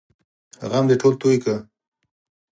غم دې ټول توی کړل!